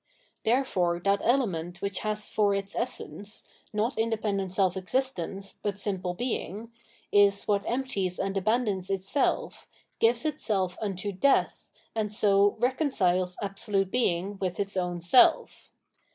Therefore that ele ment which has for its essence, not independent seK existence, but simple being, is what empties and abandons itself, gives itself unto death, and so reconciles Absolute Being with its own self.